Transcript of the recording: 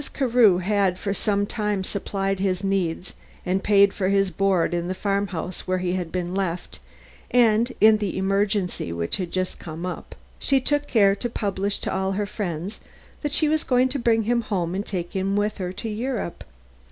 Carew had for some time supplied his needs and paid for his board in the farm house where he had been left, and in the emergency which had just come up, she took care to publish to all her friends that she was going to bring him home and take him with her to Europe.